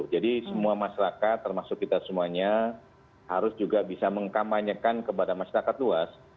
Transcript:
jadi semua masyarakat termasuk kita semuanya harus juga bisa mengkampanyekan kepada masyarakat luas